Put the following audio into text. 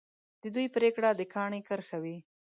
د دوی پرېکړه د کاڼي کرښه وي.